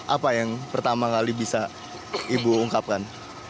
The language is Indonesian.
apa yang pertama kali bisa ibu ungkapkan